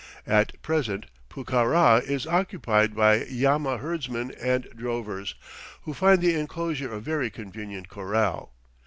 At present Pucará is occupied by llama herdsmen and drovers, who find the enclosure a very convenient corral.